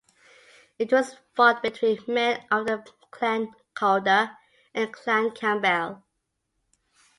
It was fought between men of the Clan Calder and Clan Campbell.